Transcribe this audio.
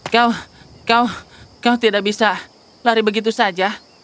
kau kau tidak bisa lari begitu saja